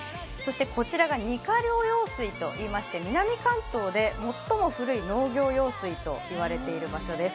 こちらがニヶ領用水といいまして南関東で最も古い農業用水と言われている場所です。